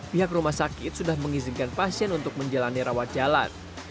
pihak rumah sakit sudah mengizinkan pasien untuk menjalani rawat jalan